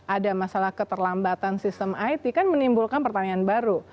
ada masalah keterlambatan sistem it kan menimbulkan pertanyaan baru